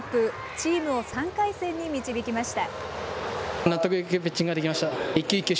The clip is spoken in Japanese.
チームを３回戦に導きました。